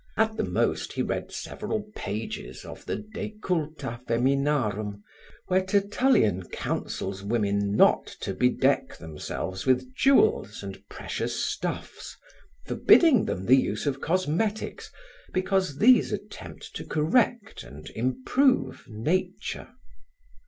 At the most, he read several pages of De culta feminarum, where Tertullian counsels women not to bedeck themselves with jewels and precious stuffs, forbidding them the use of cosmetics, because these attempt to correct and improve nature.